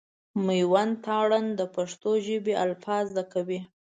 مېوند تارڼ د پښتو ژبي الفبا زده کوي.